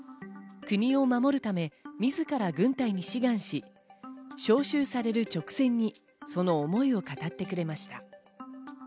国を守るため、みずから軍隊に志願し、招集される直前にその思いを語ってくれました。